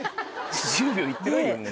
１０秒いってないもんね。